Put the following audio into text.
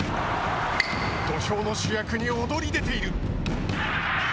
土俵の主役に躍り出ている！